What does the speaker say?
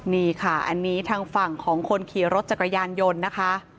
นี่ค่ะอันนี้ทางฝั่งของคนขี่รถจักรยานยนต์นะคะ